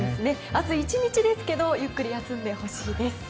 明日１日ですけどゆっくり休んでほしいです。